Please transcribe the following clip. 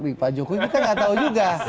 di pak jokowi kita nggak tahu juga